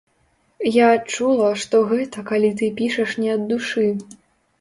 Я адчула, што гэта, калі ты пішаш не ад душы.